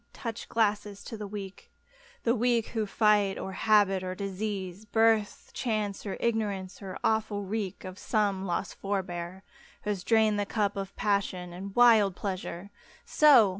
Touch glasses! To the Weak! The Weak who fight : or habit or disease, Birth, chance, or ignorance — or awful wreak Of some lost forbear, who has drained the cup Of pagsion and wild pleasure ! So